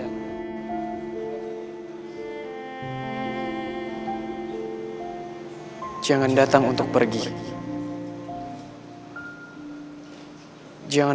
aku adalah amat